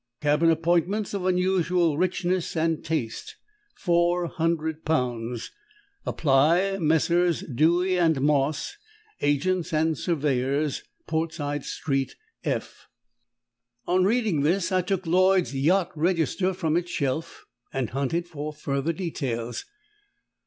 Cabin appointments of unusual richness and taste. 400 pounds. Apply, Messrs. Dewy and Moss, Agents and Surveyors, Portside Street, F ." On reading this I took Lloyd's Yacht Register from its shelf, and hunted for further details.